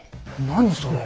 何それ？